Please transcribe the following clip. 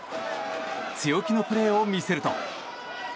強気のプレーを見せると。